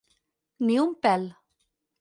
Ni un pèl.